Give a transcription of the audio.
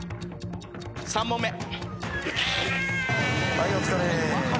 はいお疲れ。